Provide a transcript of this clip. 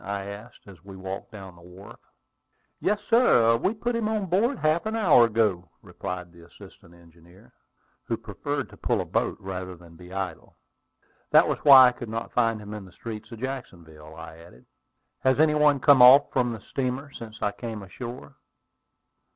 I asked, as we walked down the wharf. "Yes, sir; we put him on board half an hour ago," replied the assistant engineer, who preferred to pull a boat rather than be idle. "That was why I could not find him in the streets of Jacksonville," I added. "Has any one come off from the steamer since I came ashore?"